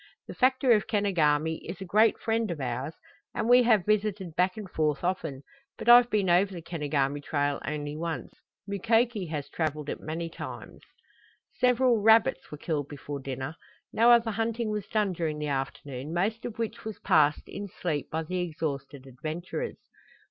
"The factor of Kenogami is a great friend of ours and we have visited back and forth often, but I've been over the Kenogami trail only once. Mukoki has traveled it many times." Several rabbits were killed before dinner. No other hunting was done during the afternoon, most of which was passed in sleep by the exhausted adventurers.